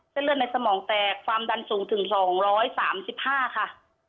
เส้นเลือดในสมองแตกความดันสูงถึง๒๓๕ค่ะ